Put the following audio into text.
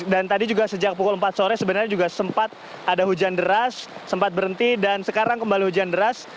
dan tadi juga sejak pukul empat sore sebenarnya juga sempat ada hujan deras sempat berhenti dan sekarang kembali hujan deras